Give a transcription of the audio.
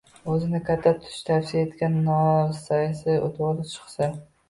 O'zini katta tutish, tavsiya etgan narsasi to'g'ri chiqsa